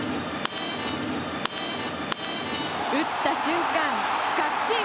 打った瞬間、確信。